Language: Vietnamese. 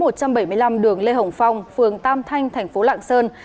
tại số một trăm bảy mươi năm đường lê hồng phong phường tam thanh tp lạng sơn